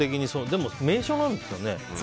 でも、名所なんですもんね。